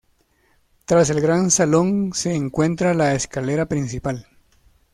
Tras el gran salón se encuentra la escalera principal.